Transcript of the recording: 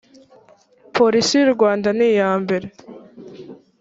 polisi y u rwanda niyambere